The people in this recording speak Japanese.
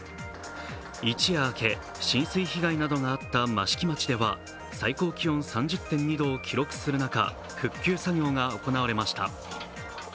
一夜明け、浸水被害などがあった益城町では最高気温３０．２度を記録する中復旧作業が行われました。